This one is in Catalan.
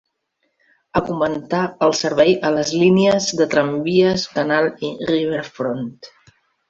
Augmentar el servei a les línies de tramvies Canal i Riverfront.